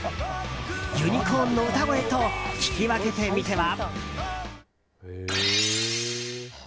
ユニコーンの歌声と聴き分けてみては？